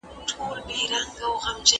هغه د یوې دورې ویښ او بیداره شاعر و.